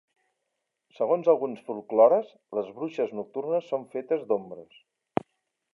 Segons alguns folklores, les bruixes nocturnes són fetes d'ombres.